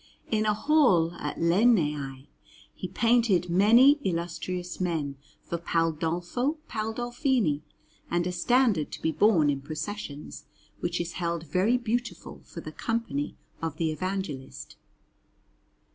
In a hall at Legnaia he painted many illustrious men for Pandolfo Pandolfini; and a standard to be borne in processions, which is held very beautiful, for the Company of the Evangelist.